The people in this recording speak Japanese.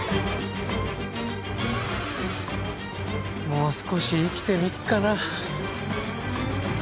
もう少し生きてみっかな。